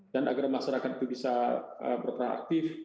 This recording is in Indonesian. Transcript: dan agar masyarakat itu bisa berperan aktif